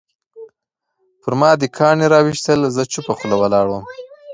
پرما دې کاڼي راویشتل زه چوپه خوله ولاړم